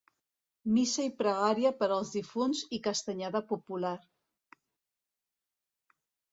Missa i pregària per als difunts i castanyada popular.